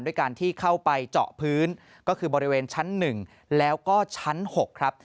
ด้วยการที่เข้าไปเจาะพื้นก็คือบริเวณชั้น๑แล้วก็ชั้น๖ครับ